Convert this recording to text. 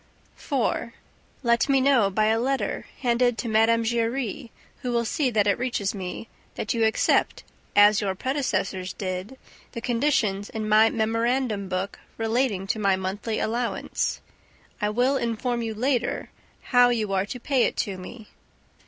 4. Let me know by a letter handed to Mme. Giry, who will see that it reaches me, that you accept, as your predecessors did, the conditions in my memorandum book relating to my monthly allowance. I will inform you later how you are to pay it to me.